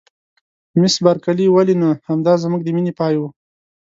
مس بارکلي: ولې نه؟ همدای زموږ د مینې پای و.